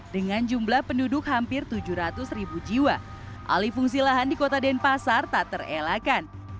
dengan jumlah penduduk hampir tujuh ratus ribu jiwa alih fungsi lahan di kota denpasar tak terelakkan